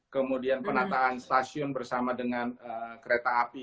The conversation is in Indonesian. kemudian penataan stasiun bersama dengan kereta api